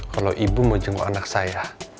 kalau ibu mau jenggok anak saya